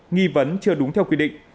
nghi vấn chưa đúng theo quy định